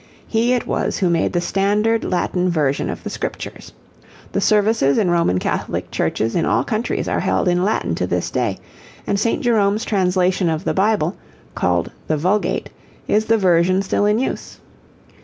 He it was who made the standard Latin version of the Scriptures. The services in Roman Catholic churches in all countries are held in Latin to this day, and St. Jerome's translation of the Bible, called the Vulgate, is the version still in use.